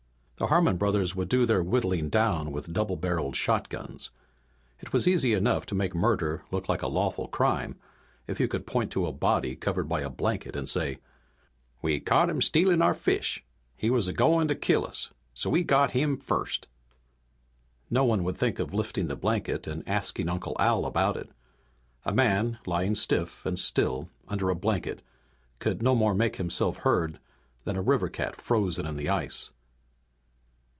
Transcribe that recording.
The Harmon brothers would do their whittling down with double barreled shotguns. It was easy enough to make murder look like a lawful crime if you could point to a body covered by a blanket and say, "We caught him stealing our fish! He was a goin' to kill us so we got him first." No one would think of lifting the blanket and asking Uncle Al about it. A man lying stiff and still under a blanket could no more make himself heard than a river cat frozen in the ice.